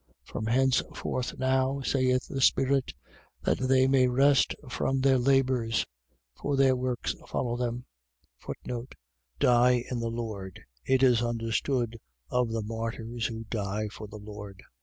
From henceforth now, saith the Spirit, that they may rest from their labours. For their works follow them. Die in the Lord. . .It is understood of the martyrs who die for the Lord.